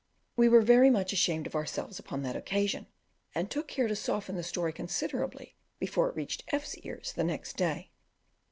We were very much ashamed of ourselves upon that occasion, and took care to soften the story considerably before it reached F 's ears the next day.